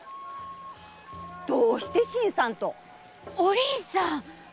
どうして新さんと⁉お凛さん！